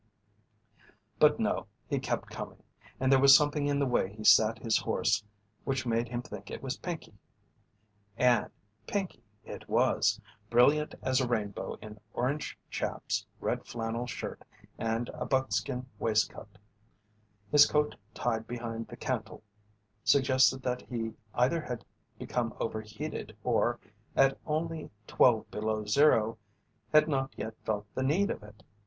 But no, he kept coming, and there was something in the way he sat his horse which made him think it was Pinkey. And Pinkey it was, brilliant as a rainbow in orange chaps, red flannel shirt, and a buckskin waistcoat. His coat tied behind the cantle suggested that he either had become overheated or at only twelve below zero had not yet felt the need of it.